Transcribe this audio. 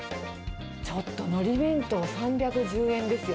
ちょっとのり弁当３１０円ですよ。